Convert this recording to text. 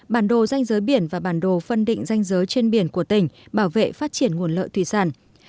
bản đồ danh giới biển và bản đồ phân định danh giới trên biển của tỉnh bảo vệ phát triển nguồn lợi thủy sản